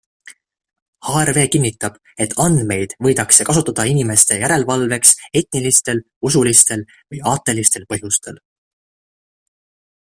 HRW kinnitab, et andmeid võidakse kasutada inimeste järelvalveks etnilistel, usulistel või aatelistel põhjustel.